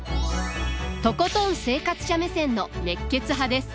とことん生活者目線の熱血派です！